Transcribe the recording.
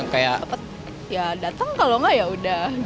dapet ya dateng kalau nggak yaudah